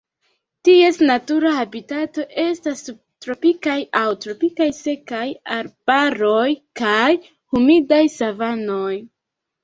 Ties natura habitato estas subtropikaj aŭ tropikaj sekaj arbaroj kaj humidaj savanoj.